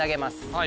はい。